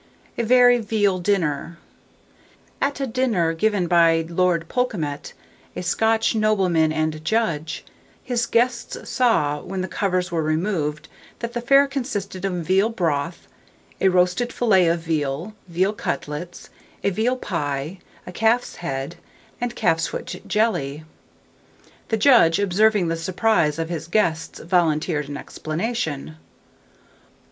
A VERY VEAL DINNER. At a dinner given by Lord Polkemmet, a Scotch nobleman and judge, his guests saw, when the covers were removed, that the fare consisted of veal broth, a roasted fillet of veal, veal cutlets, a veal pie, a calf's head, and calf's foot jelly. The judge, observing the surprise of his guests, volunteered an explanation.